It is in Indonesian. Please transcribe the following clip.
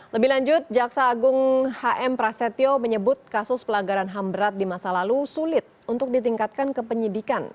lebih lanjut jaksa agung hm prasetyo menyebut kasus pelanggaran ham berat di masa lalu sulit untuk ditingkatkan ke penyidikan